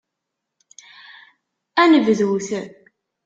Ad nebdut!